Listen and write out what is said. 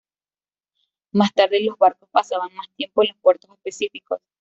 Más tarde, los barcos pasaban más tiempo en los puertos específicos.